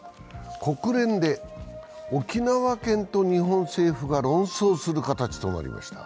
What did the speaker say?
国連で沖縄県と日本政府が論争する形となりました。